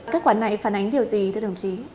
các quán này phản ánh điều gì thưa đồng chí